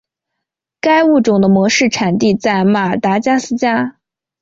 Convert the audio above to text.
该物种的模式产地在马达加斯加。